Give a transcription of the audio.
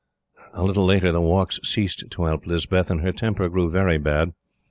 A little later the walks ceased to help Lispeth and her temper grew very bad.